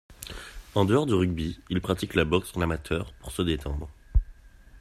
En-dehors du rugby, il pratique la boxe en amateur, pour se détendre.